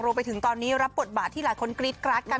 ไปถึงตอนนี้รับบทบาทที่หลายคนกรี๊ดกราดกัน